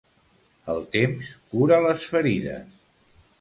El temps cura les ferides.